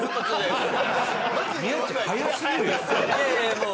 いやいやいやもう。